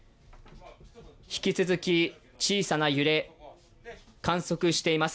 引き続き、小さな揺れ観測しています